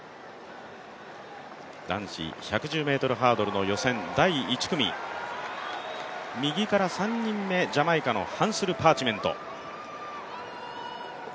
男子１１０ｍハードルの予選第１組、右から３人目、ジャマイカのハンスル・パーチメント。